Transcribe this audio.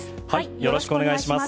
よろしくお願いします。